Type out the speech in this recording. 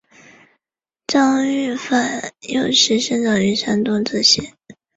张玉法幼时生长于山东峄县。